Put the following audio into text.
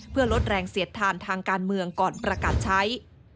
เพื่อลดแรงเสียดทานทางการเมืองก่อนประกาศใช้